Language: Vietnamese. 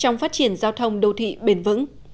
trong phát triển giao thông đô thị bền vững